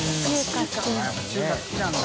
やっぱ中華好きなんだ。